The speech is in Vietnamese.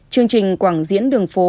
chương trình quảng diễn đường phố